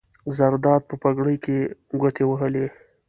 زرداد په پګړۍ ګوتې ووهلې.